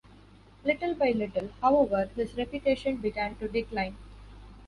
Little by little, however, his reputation began to decline.